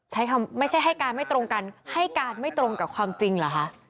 ไม่ใช่ให้การไม่ตรงกันให้การไม่ตรงกับความจริงเหรอคะ